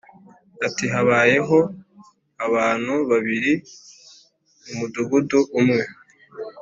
ati “Habayeho abantu babiri mu mudugudu umwe